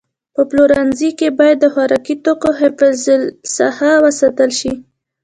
په پلورنځي کې باید د خوراکي توکو حفظ الصحه وساتل شي.